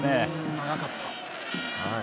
長かった。